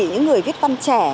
những người viết văn trẻ